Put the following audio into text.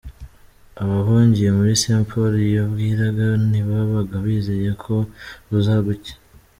Abahungiye muri Saint Paul iyo bwiraga ntibabaga bizeye ko buza gucya